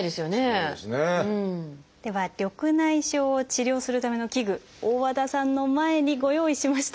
では緑内障を治療するための器具大和田さんの前にご用意しました。